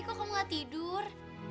kok kamu gak tidur